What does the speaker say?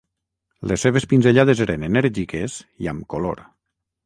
Les seves pinzellades eren enèrgiques i amb color.